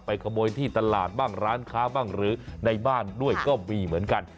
ขโมยที่ตลาดบ้างร้านค้าบ้างหรือในบ้านด้วยก็มีเหมือนกัน